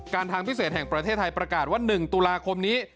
ทางพิเศษแห่งประเทศไทยประกาศว่า๑ตุลาคมนี้